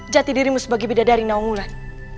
jati dirimu sebagai bidadari nawa mulan